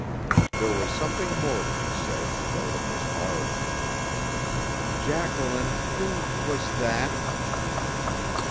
There was something more to be said, though it was hard. "Jacqueline, who was that?"